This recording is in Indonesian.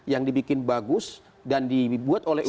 yang dibikin bagus dan dibuat oleh umat